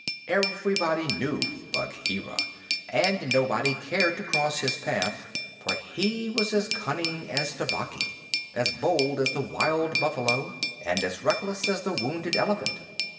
Everybody knew Bagheera, and nobody cared to cross his path; for he was as cunning as Tabaqui, as bold as the wild buffalo, and as reckless as the wounded elephant.